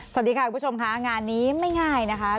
สวัสดีค่ะคุณผู้ชมค่ะงานนี้ไม่ง่ายนะคะ